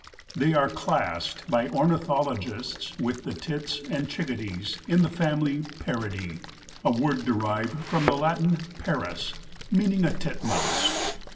They are classed by ornithologists with the tits and chickadees in the family Paridæ, a word derived from the Latin parus, meaning a titmouse.